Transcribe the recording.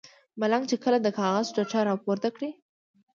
ملنګ چې کله د کاغذ ټوټه را پورته کړه.